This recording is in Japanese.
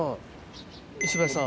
石橋さん。